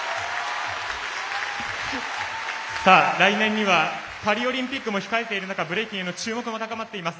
来年にはパリオリンピックも控えている中ブレイキンへの注目も高まっています。